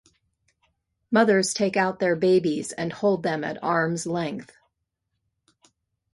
Mothers take out their babies and hold them at arms' length.